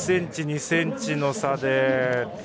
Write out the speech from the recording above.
１ｃｍ、２ｃｍの差で。